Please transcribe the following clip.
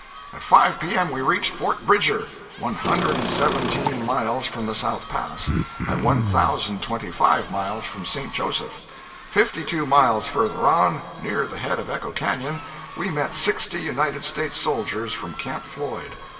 At five P.M. we reached Fort Bridger, one hundred and seventeen miles from the South Pass, and one thousand and twenty five miles from St. Joseph. Fifty two miles further on, near the head of Echo Canyon, we met sixty United States soldiers from Camp Floyd.